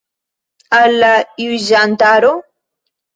Al la juĝantaro?